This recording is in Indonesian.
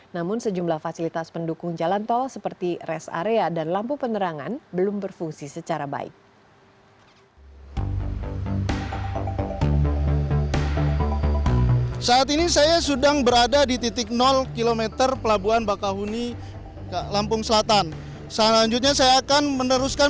namun sejumlah fasilitas pendukung jalan tol seperti rest area dan lampu penerangan belum berfungsi secara baik